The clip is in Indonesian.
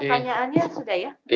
pertanyaannya sudah ya